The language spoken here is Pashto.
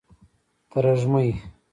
ترژومۍ